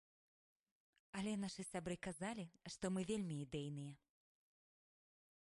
Але нашы сябры казалі, што мы вельмі ідэйныя.